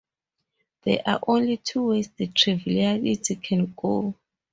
There are only two ways the triviality can go.